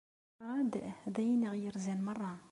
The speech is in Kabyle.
Ṭṭraḍ d ayen i ɣ-yerzan merra.